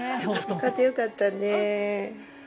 勝ってよかったね。